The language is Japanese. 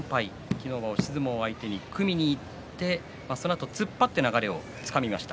昨日は押し相撲相手に組みにいって、そのあと突っ張って流れをつかみました。